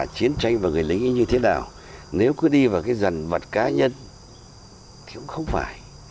chiến tranh và người lính như thế nào nếu cứ đi vào cái dần vật cá nhân thì cũng không phải